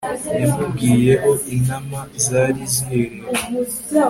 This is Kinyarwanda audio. yamubwiyeaho intama zari ziherereye